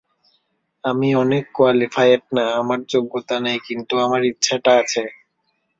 আমি অনেক কোয়ালিফায়েড না, আমার যোগ্যতা নেই, কিন্তু আমার ইচ্ছাটা আছে।